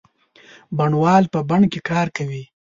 بڼوال په بڼ کې کار کوي.